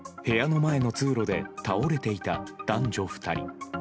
部屋の前の通路で倒れていた男女２人。